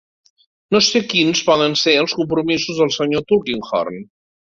No sé quins poden ser els compromisos del Sr. Tulkinghorn.